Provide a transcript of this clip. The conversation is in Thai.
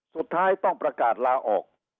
สุดท้ายต้องประกาศลาออก